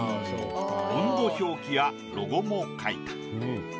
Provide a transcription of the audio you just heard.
温度表記やロゴも描いた。